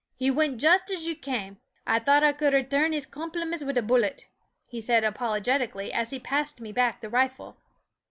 He wint just as you came I thought I could returrn his compliments wid a bullet," he said, apolo getically, as he passed me back the rifle.